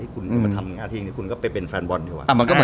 ที่คุณมาทำงานที่นี่คุณก็ไปเป็นแฟนบอลดีกว่า